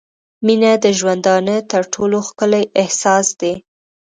• مینه د ژوندانه تر ټولو ښکلی احساس دی.